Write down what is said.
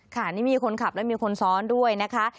ค่ะนี่มีคนขับและมีคนซ้อนด้วยนะคะ